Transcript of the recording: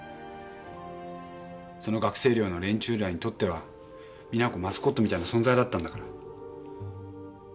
その学生寮の連中にとっては実那子マスコットみたいな存在だったんだから。